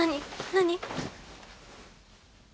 何？